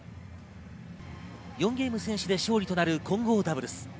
４ゲーム先取で勝利となる混合ダブルス。